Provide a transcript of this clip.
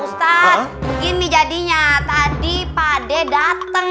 pak ustadz begini jadinya tadi pak d dateng